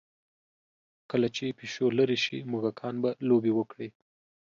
کله چې پیشو لرې شي، موږکان به لوبې وکړي.